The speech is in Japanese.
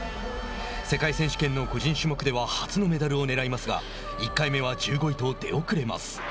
世界選手権の個人種目では初のメダルをねらいますが１回目は１５位と出遅れます。